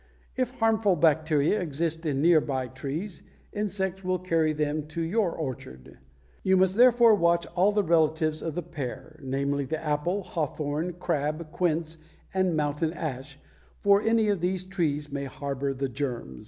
If harmful bacteria exist in near by trees, insects will carry them to your orchard. You must therefore watch all the relatives of the pear; namely, the apple, hawthorn, crab, quince, and mountain ash, for any of these trees may harbor the germs.